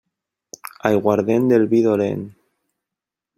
Aiguardent del vi dolent.